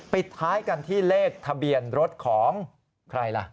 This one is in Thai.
ปิดท้ายกันที่เลขทะเบียนรถของใครล่ะ